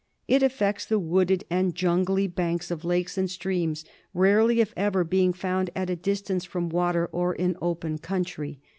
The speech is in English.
It affects the wooded and jungly banks of lakes and streams, rarely, if ever, being found at a distance from water or in open country.